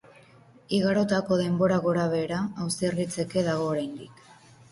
Igarotako denbora gorabehera, auzia argitzeke dago oraindik.